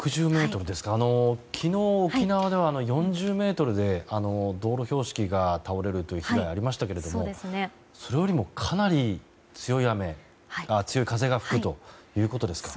昨日、沖縄では４０メートルで道路標識が倒れるという被害がありましたけれどもそれよりもかなり強い風が吹くということですか。